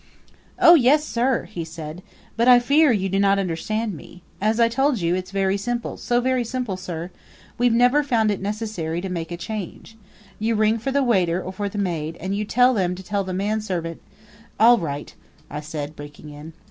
"Oh, yes, sir," he said; "but I fear you do not understand me. As I told you, it's very simple so very simple, sir. We've never found it necessary to make a change. You ring for the waiter or for the maid, and you tell them to tell the manservant " "All right," I said, breaking in.